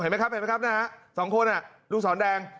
เห็นมั้ยครับนะฮะสองคนน่ะลูกสอนแดง